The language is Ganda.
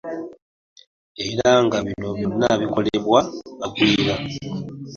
Era nga bino byonna bikolebwa abagwira.